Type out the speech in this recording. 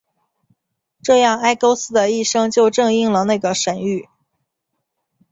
这样埃勾斯的一生就正应了那个神谕。